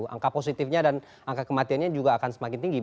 angka positifnya dan angka kematiannya juga akan semakin tinggi